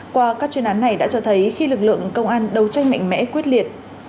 qua các chuyên án này đã cho thấy khi lực lượng công an đầu tranh mạnh mẽ quyết liệt